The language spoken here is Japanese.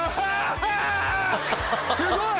すごい！